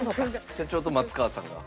社長と松川さんが。